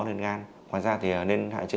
nên gan ngoài ra nên hạn chế